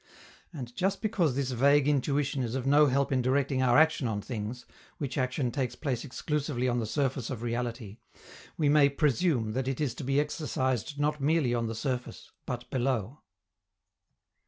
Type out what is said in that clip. And, just because this vague intuition is of no help in directing our action on things, which action takes place exclusively on the surface of reality, we may presume that it is to be exercised not merely on the surface, but below.